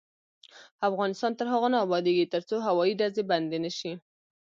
افغانستان تر هغو نه ابادیږي، ترڅو هوایي ډزې بندې نشي.